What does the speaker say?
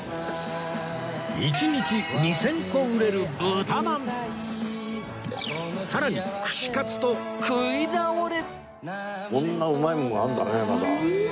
１日２０００個売れるさらに串カツと食い倒れ